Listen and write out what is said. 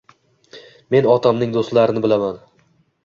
Men otamning doʻstlarini bilaman